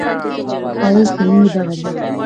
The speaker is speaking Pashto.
ښایست د مینې بڼه ده